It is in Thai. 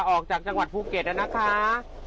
ออกจากปูเก็ตัวได้ค่ะ